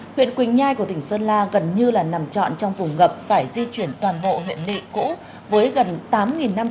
huyện quỳnh nhai của tỉnh sơn la gần như là nằm trọn trong vùng ngập phải di chuyển toàn bộ huyện nị cũ